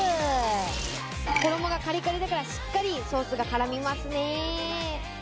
衣がカリカリだから、しっかりソースが絡みますね。